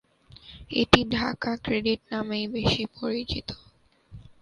এটি ঢাকা ক্রেডিট নামেই বেশি পরিচিত।